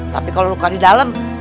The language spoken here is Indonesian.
tapi kalau luka di dalam